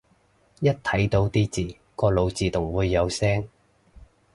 一睇到啲字個腦自動會有聲